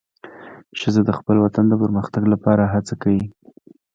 ښځه د خپل وطن د پرمختګ لپاره هڅه کوي.